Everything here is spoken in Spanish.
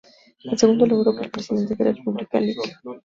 El segundo logró que el Presidente de la República, Lic.